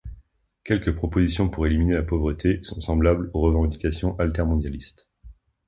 Quelques propositions pour éliminer la pauvreté sont semblables aux revendications altermondialistes.